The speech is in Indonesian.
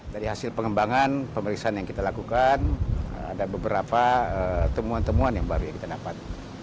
dari hasil pengembangan pemeriksaan yang kita lakukan ada beberapa temuan temuan yang baru yang kita dapat